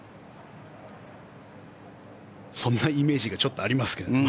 そんなイメージがちょっとありますけど。